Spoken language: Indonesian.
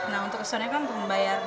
nah untuk kesuanya kan membayar